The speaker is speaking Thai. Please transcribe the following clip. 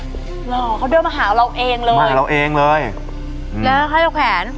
หรอเขาเดินมาหาเราเองเลยเราเองเลยแล้วให้เราแขวน